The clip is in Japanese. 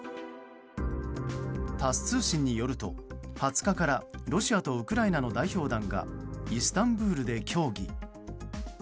タス通信によると、２０日からロシアとウクライナの代表団がイスタンブールで協議。